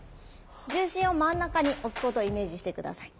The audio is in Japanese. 重心を真ん中に置くことをイメージして下さい。